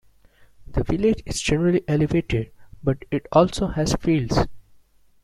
The village is generally elevated, but it also has fields.